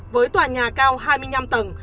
với tòa nhà cao hai mươi năm tầng